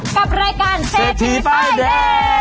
กับรายการเศรษฐีป้ายแดง